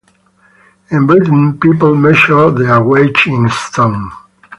In Britain people measure their weight in stone.